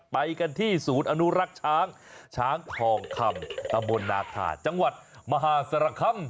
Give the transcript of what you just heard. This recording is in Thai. ไปกันที่ศูนย์อนุรักษ์ช้างช้างทองคำตำบลนาคาจังหวัดมหาสารคำ